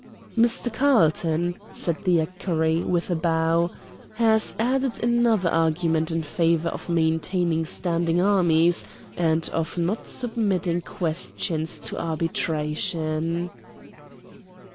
"Mr. Carlton," said the equerry, with a bow, "has added another argument in favor of maintaining standing armies, and of not submitting questions to arbitration."